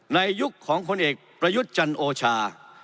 ยุคของคนเอกประยุทธ์จันโอชา